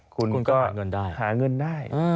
คุณก็หาเงินได้